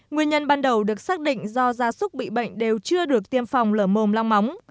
nguyên nhân ban đầu được xác định do gia súc bị bệnh đều chưa được tiêm phòng lở mồm long móng